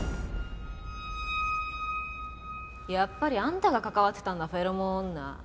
やっぱりあんたが関わってたんだフェロモン女。